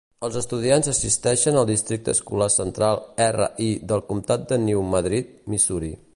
Els estudiants assisteixen al districte escolar central R-I del comtat de New Madrid, Missouri.